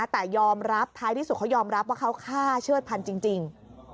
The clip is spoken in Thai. แต่ยอมรับท้ายที่สุดเขายอมรับว่าเขาฆ่าเชิดพันธุ์จริง